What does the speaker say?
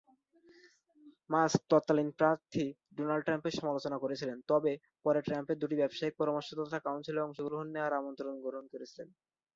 Mask তৎকালীন প্রার্থী Donald ট্রাম্পের সমালোচনা করেছিলেন, তবে পরে ট্রাম্পের দুটি ব্যবসায়িক পরামর্শদাতা কাউন্সিলে অংশ নেওয়ার আমন্ত্রণ গ্রহণ করেছিলেন।